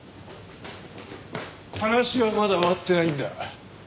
話はまだ終わってないんだ。